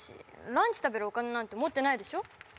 ランチ食べるお金なんて持ってないでしょ